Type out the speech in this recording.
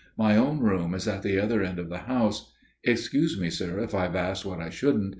My own room is at the other end of the house. Excuse me, sir, if I've asked what I shouldn't.